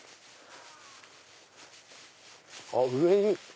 あっ上に。